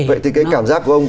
vậy thì cái cảm giác của ông